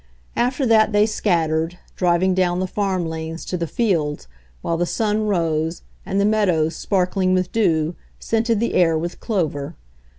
After that they scattered, driv ing down the farm lanes to the fields, while the sun rose, and the meadows, sparkling with dew, scented the air with clover.